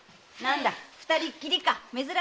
二人っきりか珍しいね。